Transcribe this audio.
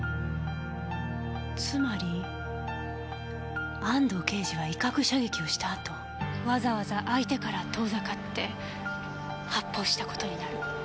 つまり安堂刑事は威嚇射撃をした後わざわざ相手から遠ざかって発砲した事になる。